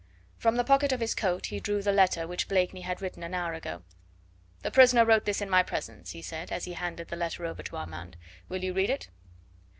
From the pocket of his coat he drew the letter which Blakeney had written an hour ago. "The prisoner wrote this in my presence," he said as he handed the letter over to Armand. "Will you read it?"